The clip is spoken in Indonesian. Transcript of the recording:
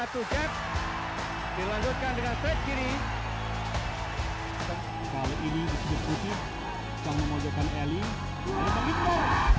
satu satunya dilakukan dengan set kiri kalau ini disitu